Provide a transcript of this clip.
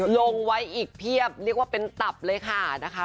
ลงไว้อีกเพียบเรียกว่าเป็นตับเลยค่ะนะคะ